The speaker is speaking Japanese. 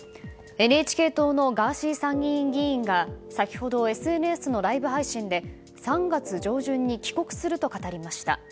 ＮＨＫ党のガーシー参議院議員が先ほどＳＮＳのライブ配信で３月上旬に帰国すると語りました。